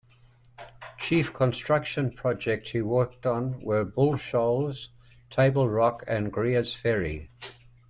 Chief construction projects he worked on were Bull Shoals, Table Rock and Greers Ferry.